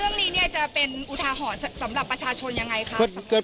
เรื่องนี้เนี่ยจะเป็นอุทาหรณ์สำหรับประชาชนยังไงคะ